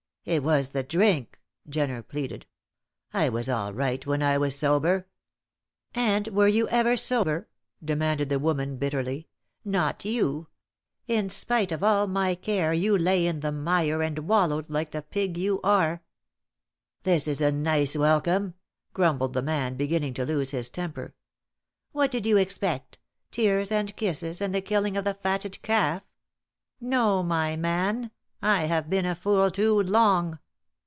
"It was the drink," Jenner pleaded. "I was all right when I was sober." "And were you ever sober?" demanded the woman, bitterly. "Not you. In spite of all my care you lay in the mire and wallowed like the pig you are." "This is a nice welcome," grumbled the man, beginning to lose his temper. "What did you expect? Tears and kisses, and the killing of the fatted calf? No, my man; I have been a fool too long.